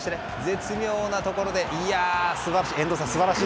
絶妙なところで、素晴らしい。